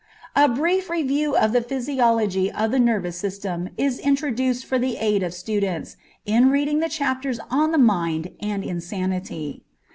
A brief review of the physiology of the nervous system is introduced for the aid of students, in reading the chapters on the mind and insanity.